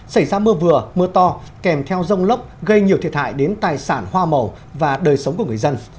xảy ra mưa vừa mưa to kèm theo rông lốc gây nhiều thiệt hại đến tài sản hoa màu và đời sống của người dân